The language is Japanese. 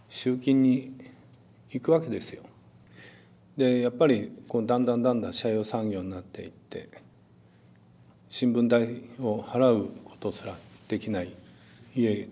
でやっぱりだんだんだんだん斜陽産業になっていって新聞代を払うことすらできない家とかありますね。